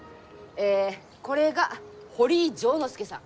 えこれが堀井丈之助さん。